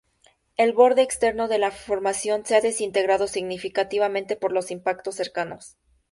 El borde externo de esta formación se ha desintegrado significativamente por los impactos cercanos.